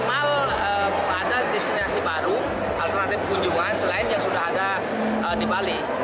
ada destinasi baru alternatif kunjungan selain yang sudah ada di bali